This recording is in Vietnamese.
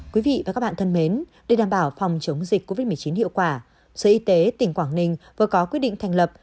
quý vị và các bạn thân mến để đảm bảo phòng chống dịch covid một mươi chín hiệu quả sở y tế tỉnh quảng ninh vừa có quyết định thành lập